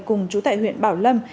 cùng chú tại huyện bảo lâm